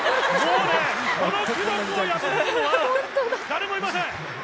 この記録を破れるのは誰もいません。